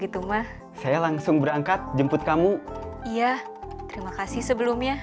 terima kasih sebelumnya